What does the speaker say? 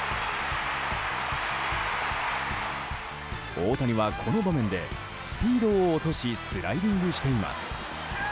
大谷は、この場面でスピードを落としスライディングしています。